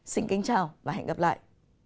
xin kính chào và hẹn gặp lại